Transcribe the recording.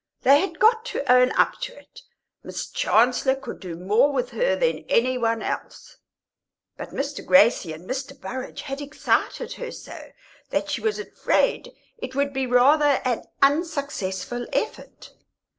They had got to own up to it, Miss Chancellor could do more with her than any one else; but Mr. Gracie and Mr. Burrage had excited her so that she was afraid it would be rather an unsuccessful effort.